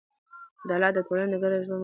عدالت د ټولنې د ګډ ژوند ملاتړ کوي.